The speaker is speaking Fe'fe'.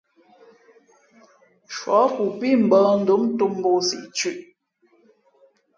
Shuάku pí mbᾱαndom ntōm mbōk siꞌ thʉ̄ꞌ.